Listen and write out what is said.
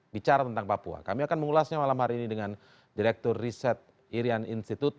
bicara tentang papua kami akan mengulasnya malam hari ini dengan direktur riset irian institute